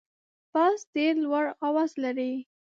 باز ډیر لوړ اواز لري